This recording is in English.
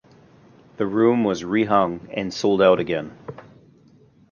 The room was re-hung and sold out again.